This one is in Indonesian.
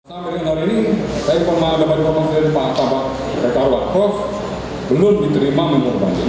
sampai hari ini saya memahami dengan komensi pak pak pak karwa prof belum diterima menghubungi banding